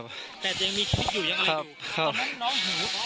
เพื่อนบ้านเจ้าหน้าที่อำรวจกู้ภัย